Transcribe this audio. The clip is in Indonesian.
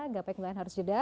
gapai kembali harus jeda